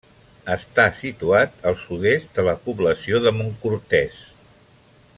Està situat al sud-est de la població de Montcortès.